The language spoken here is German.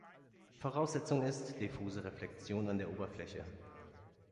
Voraussetzung ist diffuse Reflexion an der Oberfläche.